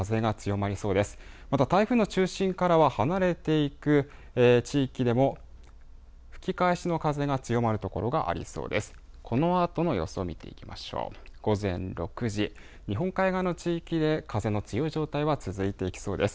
また台風の中心からは離れていく地域でも吹き返しの風が強まる所がありそうです。